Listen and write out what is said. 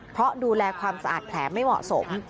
เพราะดูแลความสะอาดแผลไม่เหมาะสม